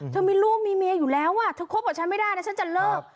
เธอมีลูกมีเมียอยู่แล้วเธอคบกับฉันไม่ได้นะฉันจะเลิก